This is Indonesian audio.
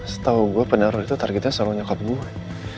setau gue penaruh itu targetnya selalu nyokap gue